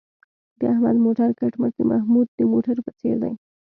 د احمد موټر کټ مټ د محمود د موټر په څېر دی.